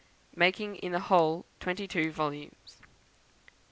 Making in the whole twenty two volumes.